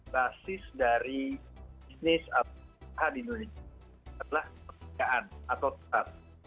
basis dari bisnis atau perusahaan di indonesia adalah persediaan atau pse